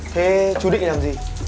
thế chú định làm gì